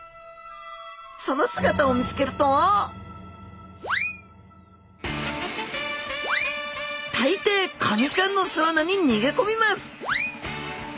その姿を見つけると大抵カニちゃんの巣穴に逃げ込みます